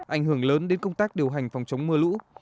ảnh hưởng lớn đến công tác điều hành phòng chống mưa lũ